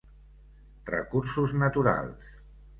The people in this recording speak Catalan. Recursos naturals.